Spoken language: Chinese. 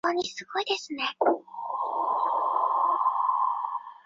郑泉被押出去的时候还不停回头看孙权。